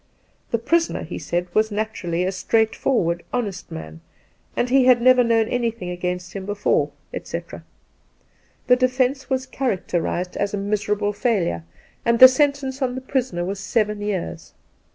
The prisoner, he said, was naturally a straightforward, honest man, and he had never known anything against him before, Two Christmas Days 217 etc. The defence was characterized as a miserable failure, and the sentence on the prisoiner was "seven years."